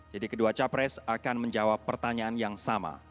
jadi kedua capres akan menjawab pertanyaan yang sama